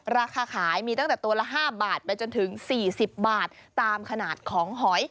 ราคาขายมีตั้งแต่ตัวละ๕บาทไปจนถึง๔๐บาทตามขนาดของหอย